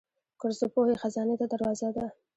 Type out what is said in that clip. کورس د پوهې خزانې ته دروازه ده.